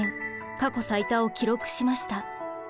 過去最多を記録しました。